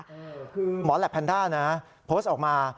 คือหมอแหลปแพนด้านะโพสต์ออกมา